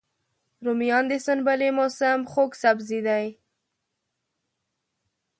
رومیان د سنبلې موسم خوږ سبزی دی